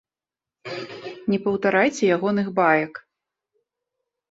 Не паўтарайце ягоных баек.